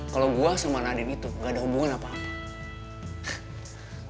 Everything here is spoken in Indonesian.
kalau gue sama nadiem itu gak ada hubungan apa apa